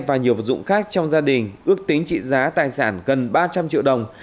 và nhiều vật dụng khác trong gia đình ước tính trị giá tài sản gần ba trăm linh triệu đồng